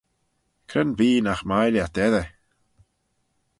Cre'n bee nagh mie lhiat edyr?